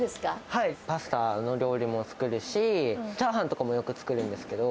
はい、パスタの料理も作るし、チャーハンとかもよく作るんですけど。